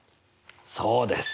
そうです。